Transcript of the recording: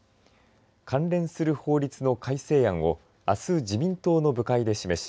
関連する法律の改正案をあす自民党の部会で示し